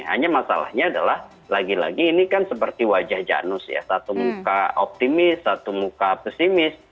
hanya masalahnya adalah lagi lagi ini kan seperti wajah janus ya satu muka optimis satu muka pesimis